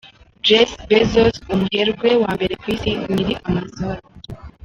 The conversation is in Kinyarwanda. Jeff Bezos umuherwe wa mbere ku isi nyiri Amazon.